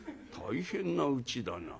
「大変なうちだな。